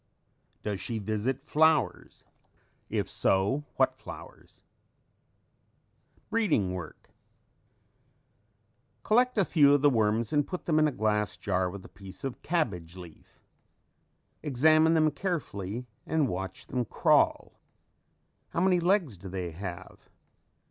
Does she visit flowers? If so, what flowers? [Illustration: Pupa or chrysalis of cabbage miller.] BREEDING WORK Collect a few of the worms and put them in a glass jar with a piece of cabbage leaf. Examine them carefully and watch them crawl. How many legs do they have?